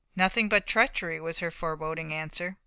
"Nothing but treachery," was her foreboding answer.